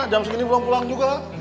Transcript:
jam segini belum pulang juga